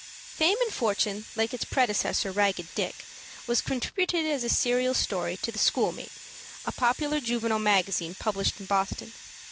"FAME AND FORTUNE," like its predecessor, "Ragged Dick," was contributed as a serial story to the "Schoolmate," a popular juvenile magazine published in Boston.